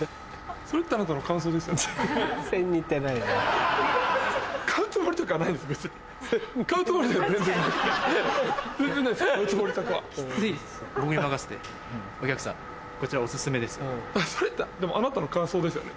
それってでもあなたの感想ですよね？